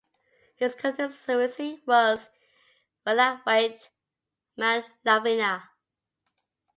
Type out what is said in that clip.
His constituency was Wellawatte-Mount Lavinia.